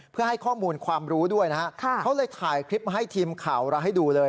เพื่อให้ข้อมูลความรู้ด้วยนะฮะเขาเลยถ่ายคลิปให้ทีมข่าวเราให้ดูเลย